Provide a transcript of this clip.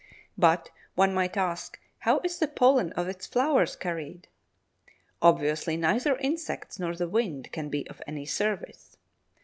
But, one might ask, how is the pollen of its flowers carried? Obviously neither insects nor the wind can be of any service.